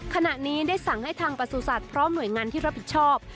ขณะนี้ได้สั่งให้ทางประสุทธิ์พร้อมหน่วยงานที่รับผิดชอบ